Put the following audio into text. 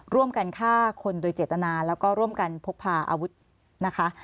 ร่วมกันฆ่าคนโดยเจตนาแล้วก็ร่วมกันพกพาอาวุธนะคะ